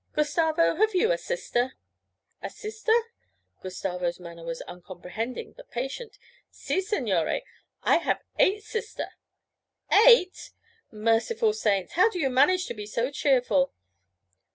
'Gustavo, have you a sister?' 'A sister?' Gustavo's manner was uncomprehending but patient. 'Si, signore, I have eight sister.' 'Eight! Merciful saints. How do you manage to be so cheerful?'